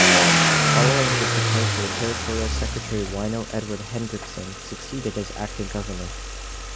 Following his departure, Territorial Secretary Waino Edward Hendrickson succeeded as Acting Governor.